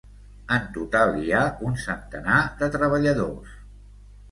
En total, hi ha un centenar de treballadors.